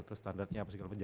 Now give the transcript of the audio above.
terus standarnya apa sih